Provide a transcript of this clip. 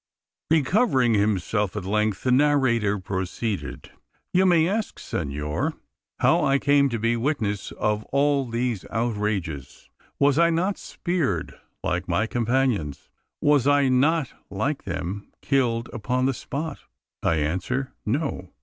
Recovering himself, at length, the narrator proceeded: "You may ask, senor, how I came to be witness of all these outrages. Was I not speared like my companions? Was I not, like them, killed upon the spot! I answer, no.